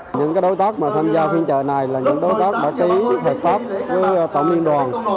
từ nay cho đến tết nguyên đáng ngoài phiên trợ công đoàn